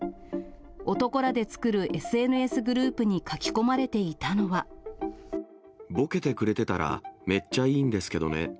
男らで作るＳＮＳグループに書きぼけてくれてたら、めっちゃいいんですけどね。